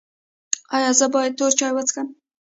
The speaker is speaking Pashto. ایا زه باید تور چای وڅښم؟